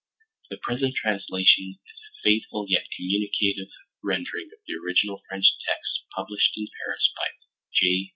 The present translation is a faithful yet communicative rendering of the original French texts published in Paris by J.